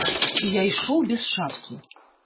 І я ішоў без шапкі.